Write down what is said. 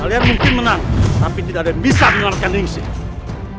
kalian mungkin menang tapi tidak ada yang bisa menyelamatkan ring sip